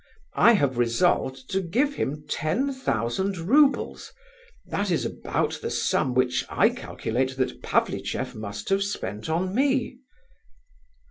I have resolved to give him ten thousand roubles; that is about the sum which I calculate that Pavlicheff must have spent on me."